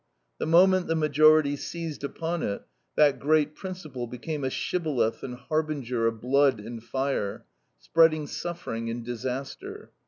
The moment the majority seized upon it, that great principle became a shibboleth and harbinger of blood and fire, spreading suffering and disaster.